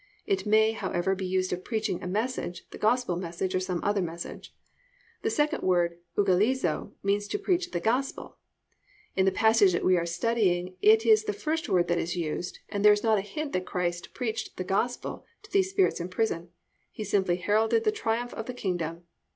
It may, however, be used of preaching a message, the gospel message or some other message. The second word euaggelizo, means to preach the gospel. In the passage that we are studying it is the first word that is used, and there is not a hint that Christ preached the gospel to these spirits in prison. He simply heralded the triumph of the kingdom.